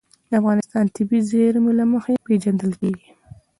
افغانستان د طبیعي زیرمې له مخې پېژندل کېږي.